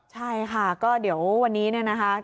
ใช่ค่ะก็เดี๋ยววันนี้เนี่ยนะคะ